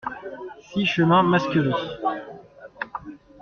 six chemin Masckeri